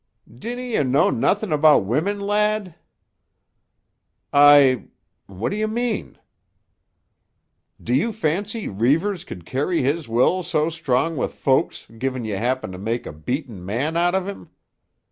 "Dinna ye know nothing about women, lad?" "I——What do you mean?" "Do you fancy Reivers could carry his will so strong with folks gi'n ye happen to make a beaten man out of him?